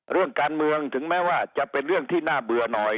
เรื่องการเมืองถึงแม้ว่าจะเป็นเรื่องที่น่าเบื่อหน่อย